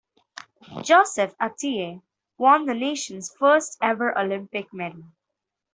Joseph Atiyeh won the nation's first ever Olympic medal.